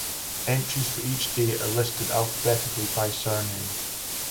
Entries for each day are listed alphabetically by surname.